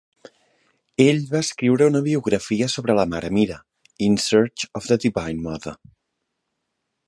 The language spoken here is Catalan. Ell va escriure una biografia sobre la Mare Meera, "In Search of the Divine Mother".